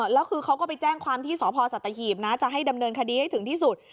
แล้วคือเขาก็ไปแจ้งความที่สพสัตหีบนะจะให้ดำเนินคดีให้ถึงที่สุด